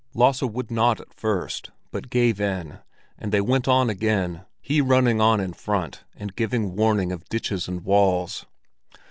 Lasse would not at first, but gave in, and they went on again, he running on in front and giving warning of ditches and walls.